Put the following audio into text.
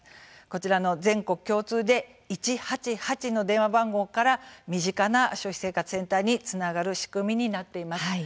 こちらの全国共通で１８８の電話番号から身近な消費生活センターにつながる仕組みになっています。